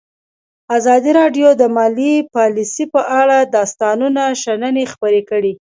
ازادي راډیو د مالي پالیسي په اړه د استادانو شننې خپرې کړي.